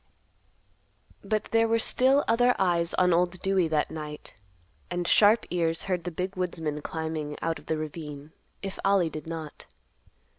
But there were still other eyes on Old Dewey that night, and sharp ears heard the big woodsman climbing out of the ravine, if Ollie did not.